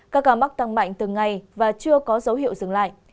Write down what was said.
các ca mắc tăng mạnh từng ngày và chưa có dấu hiệu dừng lại